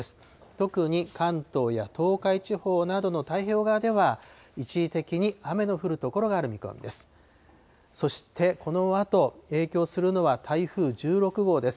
特に関東や東海地方などの太平洋側では、一時的に雨の降る所がある見込みです。